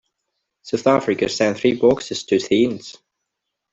South Africa sent three boxers to Athens.